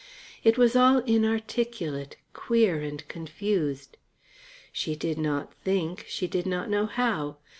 It was all inarticulate, queer and confused. She did not think, she did not know how.